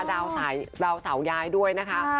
ดาวเสาย้ายด้วยนะคะ